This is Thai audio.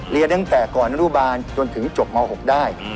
เรียนตั้งแต่ก่อนอนุบาลจนถึงจบม๖ได้